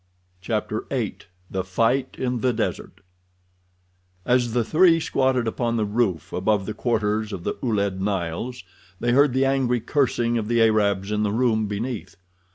Chapter VIII The Fight in the Desert As the three squatted upon the roof above the quarters of the Ouled Nails they heard the angry cursing of the Arabs in the room beneath.